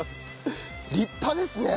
立派ですね。